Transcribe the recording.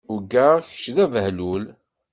Ugaɣ kečč d abehlul.